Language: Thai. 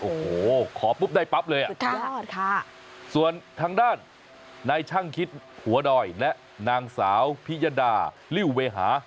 โอ้โหขอปุ๊บได้ปั๊บเลยอ่ะสุดยอดค่ะส่วนทางด้านนายช่างคิดหัวดอยและนางสาวพิยดาริวเวหา